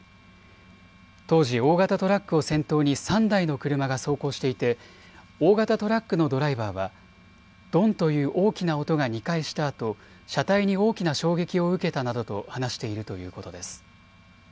当時、大型トラックを先頭に３台の車が走行していて、大型トラックのドライバーはどんという大きな音が２回したあと車体に大きな衝撃を受けたなどと話しているということです。